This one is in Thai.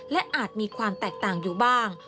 และอาจมีความแตกต่างอยู่บ้าง